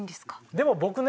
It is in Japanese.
でも僕ね